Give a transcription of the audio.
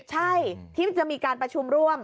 ใช่ที่จะมีการประชุมร่วม